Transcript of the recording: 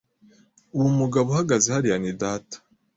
Uwo mugabo uhagaze hariya ni data.